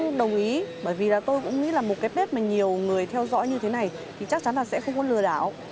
tôi cũng đồng ý bởi vì là tôi cũng nghĩ là một cái bếp mà nhiều người theo dõi như thế này thì chắc chắn là sẽ không có lừa đảo